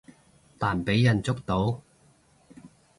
但畀人捉到